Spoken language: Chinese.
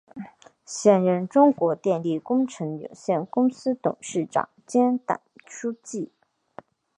现任中国电力工程有限公司董事长兼党书记。